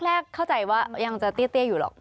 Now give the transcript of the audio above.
แรกเข้าใจว่ายังจะเตี้ยอยู่หรอก